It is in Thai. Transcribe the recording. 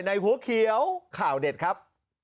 หัวเขียวข่าวเด็ดครับ